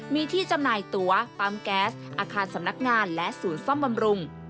มีที่จำหน่ายตัวปั๊มแก๊สอาคารสำนักงานและศูนย์ซ่อมบำรุง